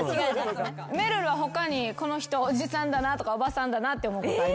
めるるは他にこの人おじさんだなおばさんだなって思うことありますか？